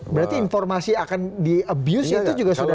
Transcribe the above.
berarti informasi akan di abuse itu juga sudah